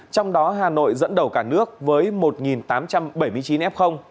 trong đó hà nội dẫn đầu cả nước với một tám trăm bảy mươi chín f